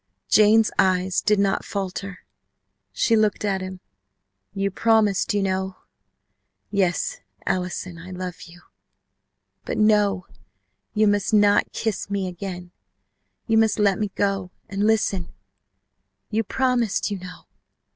Jane's eyes did not falter. She looked at him, "You promised, you know !" "Yes, Allison I love you but NO! You must not kiss me again. You must let me go, and listen You promised, you know